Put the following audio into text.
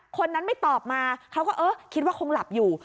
คนนั้นไม่ตอบมาเขาก็เออคิดว่าคงหลับอยู่